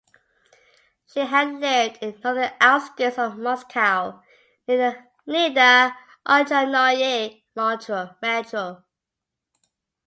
She had lived in the northern outskirts of Moscow near the Otradnoye Metro.